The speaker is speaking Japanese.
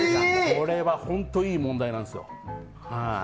これは本当いい問題なんですよ。